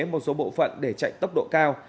một số bộ phận để chạy tốc độ cao